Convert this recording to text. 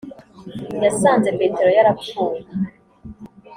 yasanze petero yarapfuye